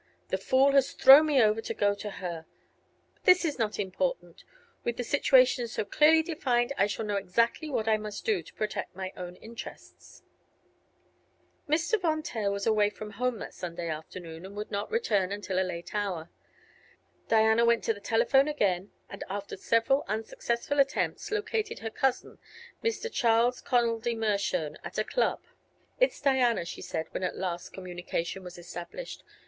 "The fool has thrown me over to go to her. But this is not important. With the situation so clearly defined I shall know exactly what I must do to protect my own interests." Mr. Von Taer was away from home that Sunday afternoon, and would not return until a late hour. Diana went to the telephone again and after several unsuccessful attempts located her cousin, Mr. Charles Connoldy Mershone, at a club. "It's Diana," she said, when at last communication was established.